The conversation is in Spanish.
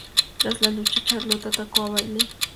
Tras la lucha, Charlotte atacó a Bayley.